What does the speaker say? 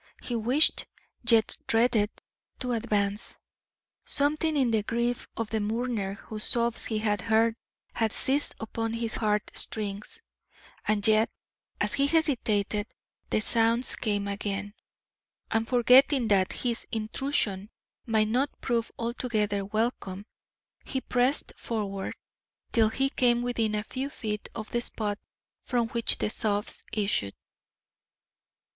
He wished, yet dreaded, to advance. Something in the grief of the mourner whose sobs he had heard had seized upon his heart strings, and yet, as he hesitated, the sounds came again, and forgetting that his intrusion might not prove altogether welcome, he pressed forward, till he came within a few feet of the spot from which the sobs issued.